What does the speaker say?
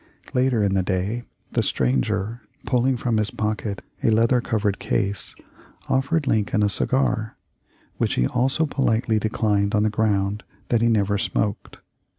Later in the day the stranger, pulling from his pocket a leather covered case, offered Lincoln a cigar, which he also politely declined on the ground that he never smoked.